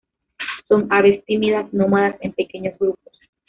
Son aves tímidas, nómadas en pequeños grupos.